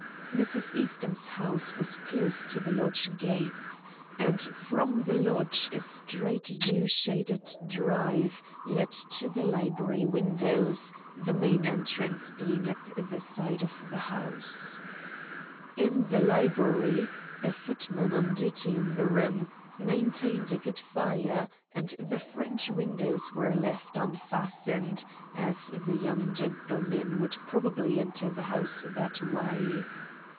"Mrs. Eastham's house was close to the lodge gates, and from the lodge a straight yew shaded drive led to the library windows, the main entrance being at the side of the house. "In the library a footman, on duty in the room, maintained a good fire, and the French windows were left unfastened, as the young gentlemen would probably enter the house that way.